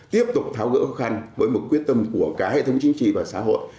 tiếp tục tháo gỡ khó khăn với một quyết tâm của cả hệ thống chính trị và xã hội